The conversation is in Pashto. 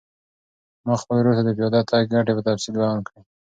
ما خپل ورور ته د پیاده تګ ګټې په تفصیل بیان کړې.